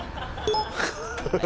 ハハハハ。